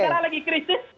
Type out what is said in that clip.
negara lagi krisis